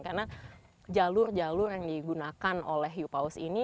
karena jalur jalur yang digunakan oleh yupaus ini